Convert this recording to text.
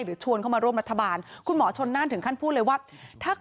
ชวนเข้ามาร่วมรัฐบาลคุณหมอชนน่านถึงขั้นพูดเลยว่าถ้า